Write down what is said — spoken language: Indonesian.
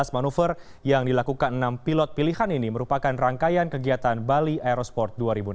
dua belas manuver yang dilakukan enam pilot pilihan ini merupakan rangkaian kegiatan bali aerosport dua ribu enam belas